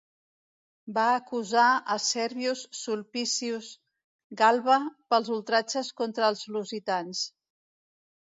Va acusar a Servius Sulpicius Galba pels ultratges contra els lusitans.